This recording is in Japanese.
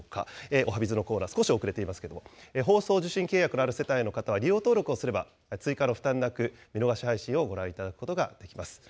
おはＢｉｚのコーナー、少し遅れていますけれども、放送受信契約のある世帯の方は利用登録をすれば、追加の負担なく、見逃し配信をご覧いただくことができます。